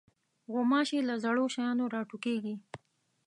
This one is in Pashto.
غوماشې له زړو شیانو راټوکېږي.